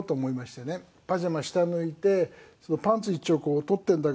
「パジャマ下脱いでパンツ一丁を撮ってんだけど」